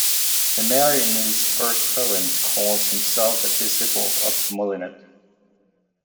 Lemaire in his first poems calls himself a disciple of Molinet.